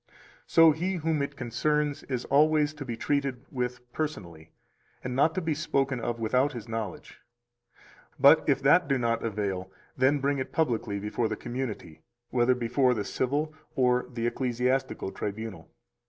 So he whom it concerns is always to be treated with personally, and not to be spoken of without his knowledge. 280 But if that do not avail, then bring it publicly before the community, whether before the civil or the ecclesiastical tribunal.